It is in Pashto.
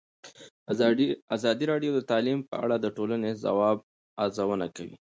ازادي راډیو د تعلیم په اړه د ټولنې د ځواب ارزونه کړې.